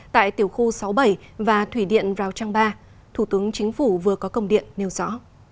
tại tiểu khu sáu mươi bảy và thủy điện rào trang ba thủ tướng chính phủ vừa có công điện nêu rõ